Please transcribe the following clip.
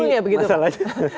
nah banjir ini masalahnya